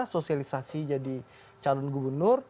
sosialisasi jadi calon gubernur